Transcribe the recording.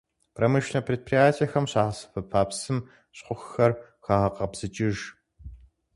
Промышленнэ предприятэхэм къыщагъэсэбэпа псым щхъухьхэр хагъэкъэбзыкӀыж.